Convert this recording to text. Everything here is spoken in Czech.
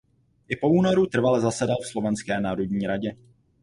I po únoru trvale zasedal v Slovenské národní radě.